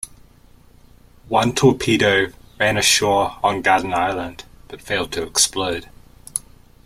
One torpedo ran ashore on Garden Island, but failed to explode.